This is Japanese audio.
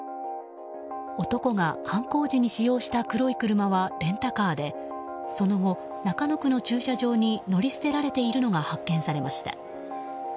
男が犯行時に使用した黒い車はレンタカーでその後、中野区の駐車場に乗り捨てられているのが発見されました。